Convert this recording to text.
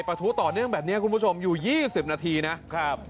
ประทูต่อเนื่องแบบเนี้ยคุณผู้ชมอยู่ยี่สิบนาทีน่ะครับ